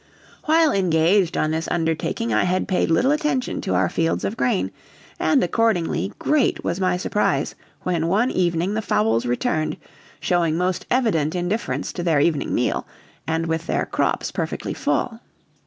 While engaged on this undertaking I had paid little attention to our fields of grain, and, accordingly, great was my surprise when one evening the fowls returned, showing most evident indifference to their evening meal, and with their crops perfectly full.